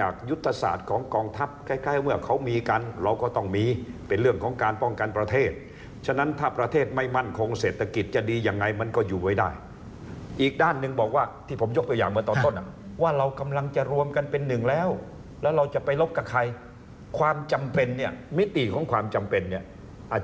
จากยุทธศาสตร์ของกองทัพใกล้เมื่อเขามีกันเราก็ต้องมีเป็นเรื่องของการป้องกันประเทศฉะนั้นถ้าประเทศไม่มั่นคงเศรษฐกิจจะดียังไงมันก็อยู่ไว้ได้อีกด้านนึงบอกว่าที่ผมยกตัวอย่างมาตอนต้นอ่ะว่าเรากำลังจะรวมกันเป็นหนึ่งแล้วแล้วเราจะไปรบกับใครความจำเป็นเนี่ยมิติของความจำเป็นเนี่ยอ